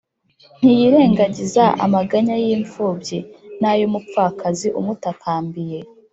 Ntiyirengagiza amaganya y’imfubyi n’ay’umupfakazi umutakambiye